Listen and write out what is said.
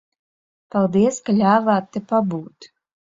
Paldies, ka ļāvāt te pabūt.